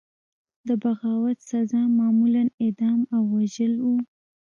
د بغاوت سزا معمولا اعدام او وژل وو.